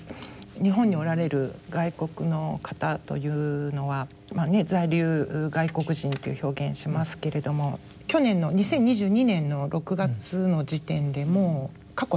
日本におられる外国の方というのは在留外国人という表現しますけれども去年の２０２２年の６月の時点でも過去最多なんですよね。